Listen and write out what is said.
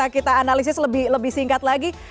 kita analisis lebih singkat lagi